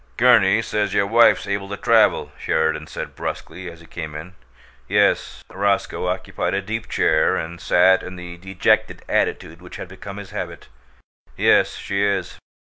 "Gurney says your wife's able to travel," Sheridan said brusquely, as he came in. "Yes." Roscoe occupied a deep chair and sat in the dejected attitude which had become his habit. "Yes, she is."